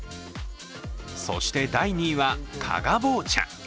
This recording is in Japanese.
そして、第２位は加賀棒茶。